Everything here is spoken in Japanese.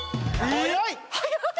早い！